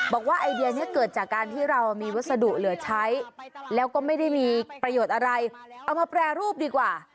ไอเดียนี้เกิดจากการที่เรามีวัสดุเหลือใช้แล้วก็ไม่ได้มีประโยชน์อะไรเอามาแปรรูปดีกว่า